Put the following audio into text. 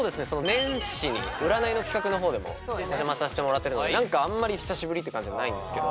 年始に占いの企画のほうでもお邪魔させてもらってるのでなんかあんまり久しぶりって感じはないんですけど